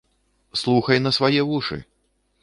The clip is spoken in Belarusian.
Слухай на свае вушы!